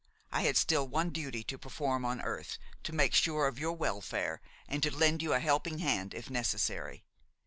I had still one duty to perform on earth, to make sure of your welfare and to lend you a helping hand if necessary.